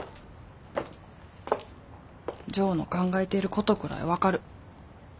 ジョーの考えてることくらい分かる。